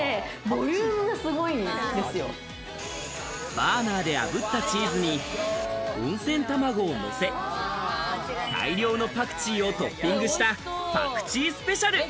バーナーであぶったチーズに温泉卵をのせ、大量のパクチーをトッピングしたパクチースペシャル。